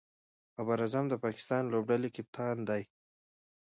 بابر اعظم د پاکستان لوبډلي کپتان دئ.